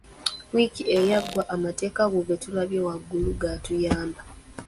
Wiiki eyaggwa, amateeka ago ge tulabye waggulu gatuyamba.